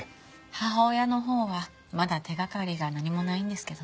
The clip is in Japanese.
母親の方はまだ手掛かりが何もないんですけどね。